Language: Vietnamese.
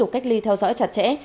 cách ly theo dõi chặt chẽ